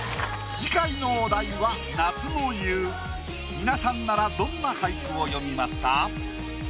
みなさんならどんな俳句を詠みますか？